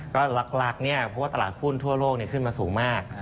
ก็รักเนี่ยเพราะว่าตลาดหุ้นทั่วโลกขึ้นมาสูงมาก